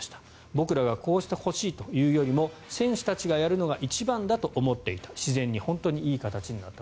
僕らがこうしてほしいと言うよりも選手たちがやるのが一番だと思っていた自然に、本当にいい形になった。